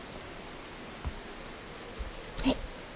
はい。